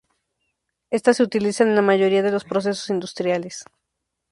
Estas se utilizan en la mayoría de los procesos industriales.